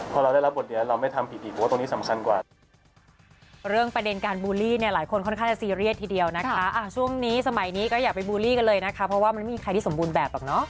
พอเราได้รับบทเดียวเราไม่ทำผิดอีกผมว่าตรงนี้สำคัญกว่า